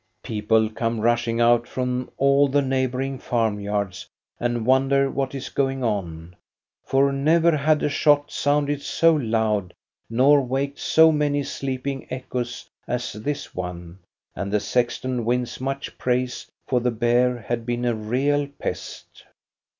People come rushing out from all the neighboring farmyards and wonder what is going on, for never had a shot sounded so loud nor waked so many sleeping echoes as this one, and the sexton wins much praise, for the bear had been a real pest.